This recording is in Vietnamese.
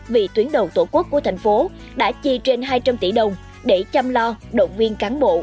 vì tuyến đầu tổ quốc của thành phố đã chi trên hai trăm linh tỷ đồng để chăm lo động viên cán bộ